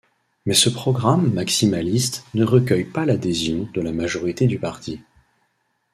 Mais ce programme maximaliste ne recueille pas l'adhésion de la majorité du parti.